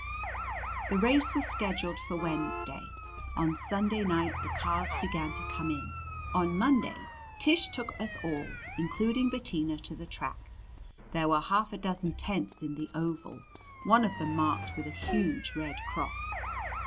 The race was scheduled for Wednesday. On Sunday night the cars began to come in. On Monday Tish took us all, including Bettina, to the track. There were half a dozen tents in the oval, one of them marked with a huge red cross.